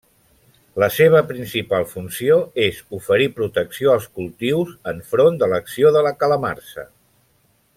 La seva principal funció és oferir protecció als cultius enfront de l'acció de la calamarsa.